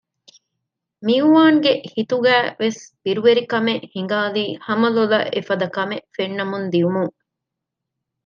މިއުވާންގެ ހިތުގައިވެސް ބިރުވެރިކަމެއް ހިނގާލީ ހަމަލޮލަށް އެފަދަ ކަމެއް ފެންނަމުން ދިއުމުން